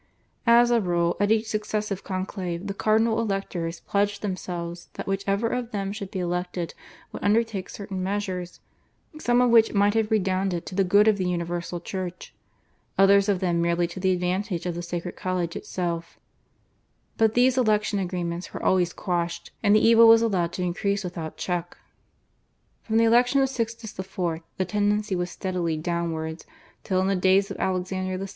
As a rule at each successive conclave the cardinal electors pledged themselves that whichever of them should be elected would undertake certain measures, some of which might have redounded to the good of the universal Church, others of them merely to the advantage of the sacred college itself; but these election agreements were always quashed, and the evil was allowed to increase without check. From the election of Sixtus IV. the tendency was steadily downwards, till in the days of Alexander VI.